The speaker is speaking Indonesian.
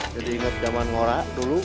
jadi inget zaman ngorak dulu